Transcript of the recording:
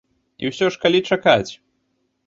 І ўсё ж, калі чакаць?